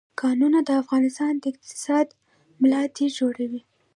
کانونه د افغانستان د اقتصاد ملا تیر جوړوي.